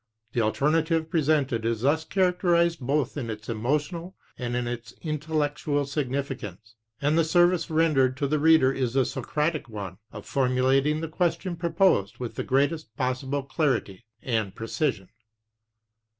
The alterna tive presented is thus characterized both in its emotional and in its intellectual significance, and the service rendered to the reader is the Socratic one of formulating the question proposed with the greatest possible clarity and precision.